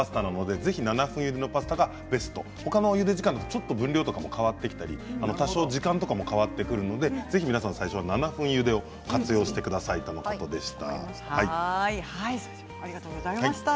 ぜひ７分ゆでのパスタがベスト他は分量とかも変わってきたり多少時間も変わってくるのでぜひ最初は７分ゆでを活用してくださいとのことでした。